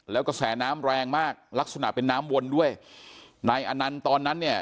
แล้วกระแสน้ำแรงมากลักษณะเป็นน้ำวนด้วยนายอนันต์ตอนนั้นเนี่ย